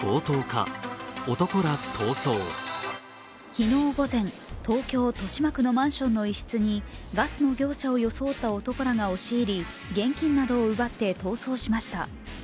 昨日午前、東京・豊島区のマンションの一室にガスの業者を装った男らが押し入り現金などを奪って逃走しました。